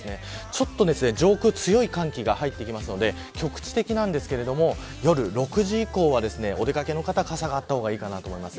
ちょっと上空強い寒気が入ってくるので局地的なんですが夜６時以降はお出掛けの方は傘があった方がいいと思います。